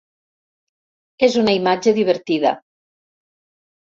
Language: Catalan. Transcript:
És una imatge divertida.